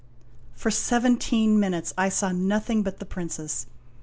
For seventeen minutes I saw nothing but the Princess!